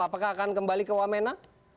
apakah akan kembali ke wamena